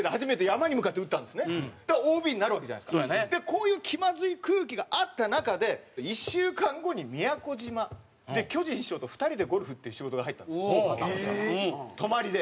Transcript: こういう気まずい空気があった中で１週間後に宮古島で巨人師匠と２人でゴルフっていう仕事が入ったんです泊まりで。